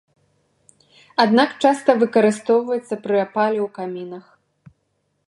Аднак часта выкарыстоўваецца пры апале ў камінах.